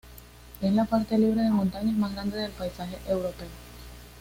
Es la parte libre de montañas más grande del paisaje europeo.